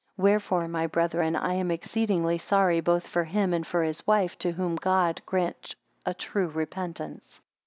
Wherefore, my brethren, I am exceedingly sorry both for him and for his wife; to whom God grant a true repentance.